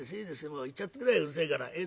もう行っちゃって下さいうるさいから。